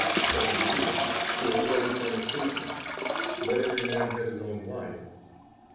7:2: To avoid fornication, let every man have 20 his own wife.